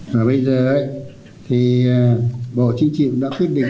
và bây giờ thì bộ chính trị cũng đã quyết định